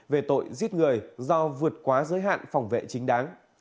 về tội giết người do vượt quá giới hạn phòng vệ chính đáng